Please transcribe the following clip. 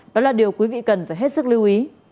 đó là điều quý vị cần phải hết sức lưu ý